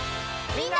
みんな！